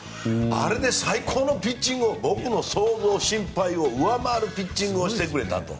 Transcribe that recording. あれで最高のピッチングも僕の心配を上回るピッチングをしてくれたと。